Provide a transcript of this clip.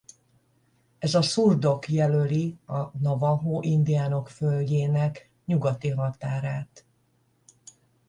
Ez a szurdok jelöli a navahó indiánok földjének nyugati határát.